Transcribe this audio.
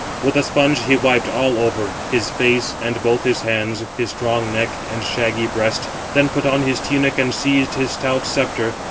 With a sponge he wiped, all over, his face and both his hands, his strong neck and shaggy breast; then put on his tunic and seized his stout sceptre.